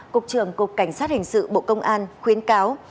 cục trưởng cục cảnh sát hình sự bộ công an khuyến cáo